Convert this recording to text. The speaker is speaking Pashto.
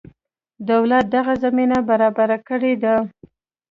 دولت دغه زمینه برابره کړې ده.